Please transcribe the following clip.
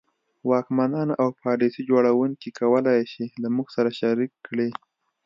واکمنان او پالیسي جوړوونکي کولای شي له موږ سره شریک کړي.